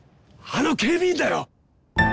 あの警備員だよ！